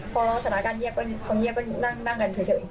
พอสลาการเงียบก็อยู่นั่งกันเฉย